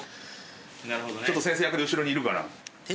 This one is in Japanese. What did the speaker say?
ちょっと先生役で後ろにいるから。